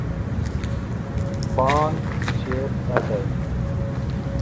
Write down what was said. بانک چیرته دی؟